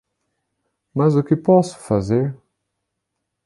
Mas o que posso fazer?